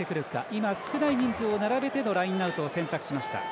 今、少ない人数を並べてのラインアウト選択しました。